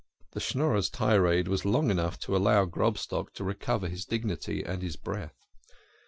The Schnorrer's tirade was long enough to allow Grob stock to recover his dignity and his breath.